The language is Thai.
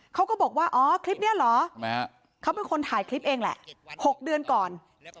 เขาก็บอกว่าอ๋อคลิปนี้เหรอเขาเป็นคนถ่ายคลิปเองแหละ๖เดือนก่อน